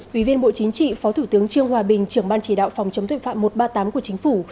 ủy viên bộ chính trị phó thủ tướng trương hòa bình trưởng ban chỉ đạo phòng chống tội phạm một trăm ba mươi tám của chính phủ